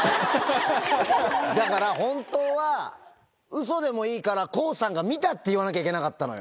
だから、本当は、うそでもいいから、康さんが見たって言わなきゃいけなかったのよ。